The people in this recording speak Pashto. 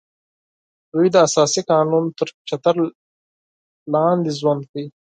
دوی د اساسي قانون تر چتر لاندې ژوند کوي